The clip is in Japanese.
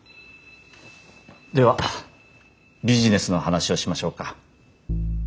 ではビジネスの話をしましょうか。